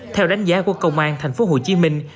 theo đánh giá của công an thành phố hồ chí minh